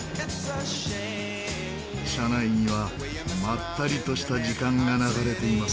車内にはまったりとした時間が流れています。